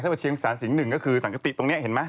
มาเชียงแสนสิงห์หนึ่งก็คือสังกติตรงนี้เห็นไหม